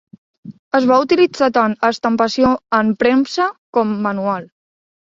Es va utilitzar tant estampació en premsa com manual.